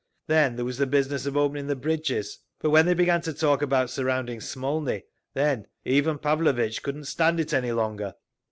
Then there was the business of opening the bridges. But when they began to talk about surrounding Smolny, then Ivan Pavlovitch couldn't stand it any longer.